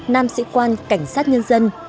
nam sĩ quan cảnh sát nhân dân